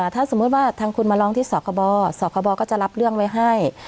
ถ้าสมมุติว่าทางคุณมาร้องที่สคบสคบก็จะรับเรื่องไว้ให้